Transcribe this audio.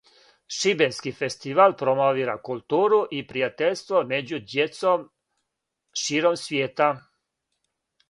Шибенски фестивал промовира културу и пријатељство меđу дјецом широм свијета.